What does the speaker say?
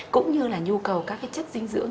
cũng như là nhu cầu các chất dinh dưỡng